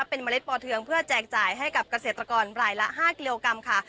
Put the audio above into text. เป็นเมล็ดปอเทืองเพื่อแจกจ่ายให้กับเกษตรกรรายละ๕กิโลกรัมค่ะ